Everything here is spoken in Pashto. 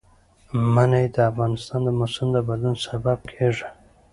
منی د افغانستان د موسم د بدلون سبب کېږي.